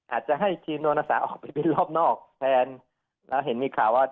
อาจจะให้ทีมโนนอาสาออกไปบินรอบนอกแทนแล้วเห็นมีข่าวว่า